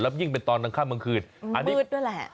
แล้วยิ่งเป็นตอนทางคั่นบางคืนมืดด้วยแหละ